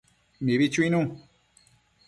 Mibi chuinu